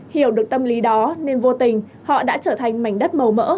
hiểu được tâm lý đó nên vô tình họ đã trở thành mảnh đất màu mỡ